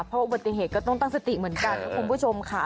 เพราะอุบัติเหตุก็ต้องตั้งสติเหมือนกันนะคุณผู้ชมค่ะ